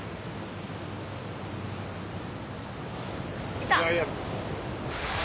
いた！